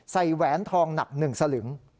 แหวนทองหนัก๑สลึง